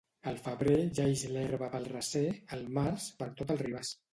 Al febrer ja ix l'herba pel recer; al març, per tot el ribàs.